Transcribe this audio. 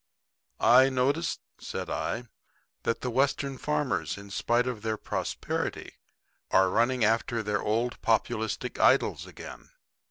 "I notice," said I, "that the Western farmers, in spite of their prosperity, are running after their old populistic idols again."